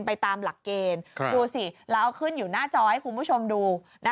ไปตามหลักเกณฑ์ดูสิเราเอาขึ้นอยู่หน้าจอให้คุณผู้ชมดู